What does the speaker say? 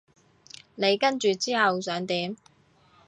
你跟住之後想點？